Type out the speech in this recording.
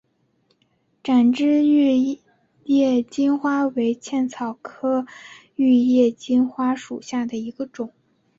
展枝玉叶金花为茜草科玉叶金花属下的一个种。